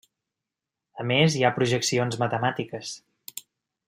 A més, hi ha projeccions matemàtiques.